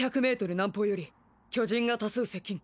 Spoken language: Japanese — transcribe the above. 南方より巨人が多数接近。